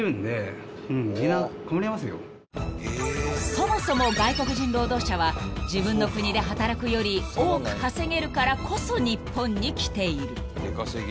［そもそも外国人労働者は自分の国で働くより多く稼げるからこそ日本に来ている］